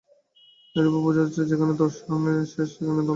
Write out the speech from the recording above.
এইরূপে বোঝা যাচ্ছে, যেখানে দর্শনের শেষ সেখানে ধর্মের আরম্ভ।